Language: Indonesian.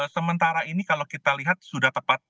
sementara ini kalau kita lihat sudah tepat